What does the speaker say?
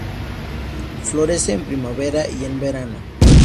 Florece en primavera y en verano.